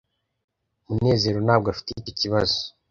munezero ntabwo afite icyo kibazo